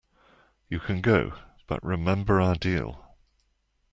You can go, but remember our deal.